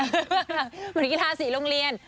เหมือนกีฬาสีโรงเรียน